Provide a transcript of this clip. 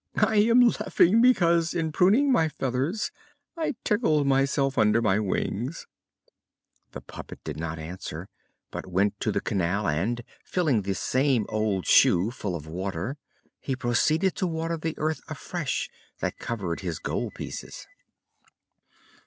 "I am laughing because in pruning my feathers I tickled myself under my wings." The puppet did not answer, but went to the canal and, filling the same old shoe full of water, he proceeded to water the earth afresh that covered his gold pieces.